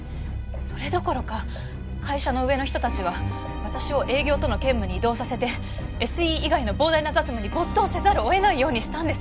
それどころか会社の上の人たちは私を営業との兼務に異動させてＳＥ以外の膨大な雑務に没頭せざるを得ないようにしたんです。